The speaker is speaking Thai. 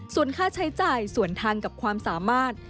ส่วนค่าใช้จ่ายส่วนทางกับความสามารถ